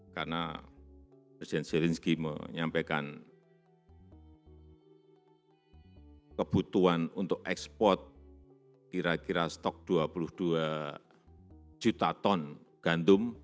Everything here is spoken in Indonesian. karena presiden zelensky menyampaikan kebutuhan untuk ekspor kira kira stok dua puluh dua juta ton gandum